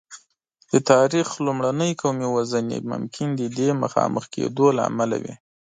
د تاریخ لومړنۍ قومي وژنې ممکن د دې مخامخ کېدو له امله وې.